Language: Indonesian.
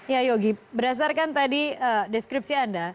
ya yogi berdasarkan tadi deskripsi anda